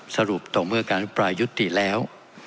สรุปต่อเมื่อการพิปรายยุติแล้ว